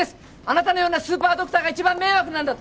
あなたのようなスーパードクターが一番迷惑なんだ。